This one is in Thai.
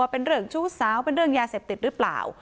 เป็นเรื่องชู้สาวเป็นเรื่องยาเสพติดหรือเปล่า